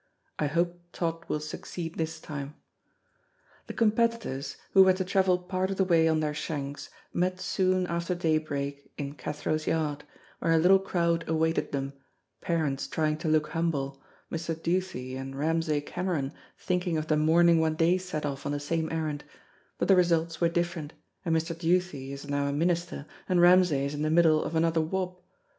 I hope Tod will succeed this time. The competitors, who were to travel part of the way on their shanks, met soon after daybreak in Cathro's yard, where a little crowd awaited them, parents trying to look humble, Mr. Duthie and Ramsay Cameron thinking of the morning when they set off on the same errand but the results were different, and Mr. Duthie is now a minister, and Ramsay is in the middle of another wob.